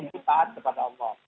untuk tahan kepada allah